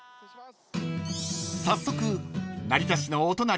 ［早速成田市のお隣